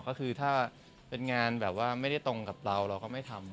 ก็คือถ้าเป็นงานแบบว่าไม่ได้ตรงกับเราเราก็ไม่ทำ